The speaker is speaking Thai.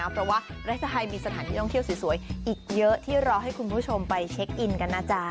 เพราะว่าประเทศไทยมีสถานที่ท่องเที่ยวสวยอีกเยอะที่รอให้คุณผู้ชมไปเช็คอินกันนะจ๊ะ